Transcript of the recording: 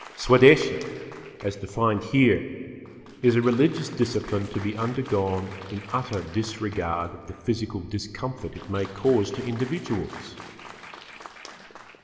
Swadeshi, as defined here, is a religious discipline to be undergone in utter disregard of the physical discomfort it may cause to individuals.